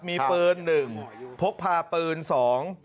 มีเปลือนหนึ่งพกผ่าเปลือนสอง